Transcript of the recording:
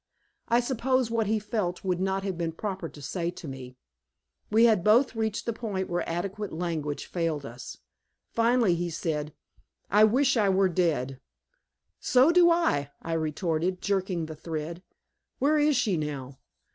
I suppose what he felt would not have been proper to say to me. We had both reached the point where adequate language failed us. Finally he said: "I wish I were dead." "So do I," I retorted, jerking the thread. "Where is she now?"